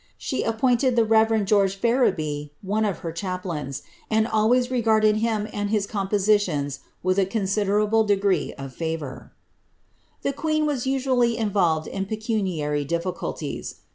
She appointed the reverend Geoige Fereby one of her chaplains, and always regardMl him and his compositions with a considerable degree of &vour.' The queen was usually involved in pecuniary difficulties.